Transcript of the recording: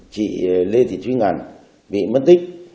chị lê thị thúy ngân bị mất tích